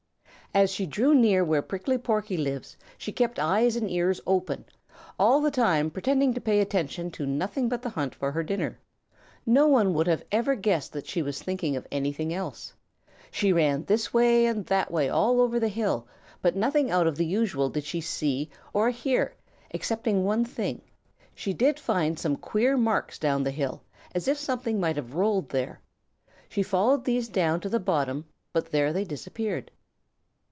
As she drew near where Prickly Porky lives, she kept eyes and ears wide open, all the time pretending to pay attention to nothing but the hunt for her dinner. No one would ever have guessed that she was thinking of anything else. She ran this way and that way all over the hill, but nothing out of the usual did she see or hear excepting one thing: she did find some queer marks down the hill as if something might have rolled there. She followed these down to the bottom, but there they disappeared.